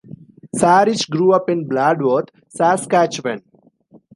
Sarich grew up in Bladworth, Saskatchewan.